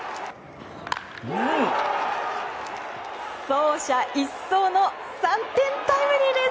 走者一掃の３点タイムリーです